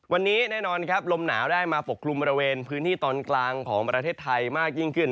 วันนี้แน่นอนครับลมหนาวได้มาปกกลุ่มบริเวณพื้นที่ตอนกลางของประเทศไทยมากยิ่งขึ้น